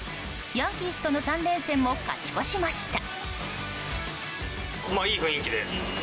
ヤンキースとの３連戦も勝ち越しました。